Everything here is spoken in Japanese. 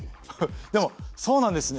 でもそうなんですね？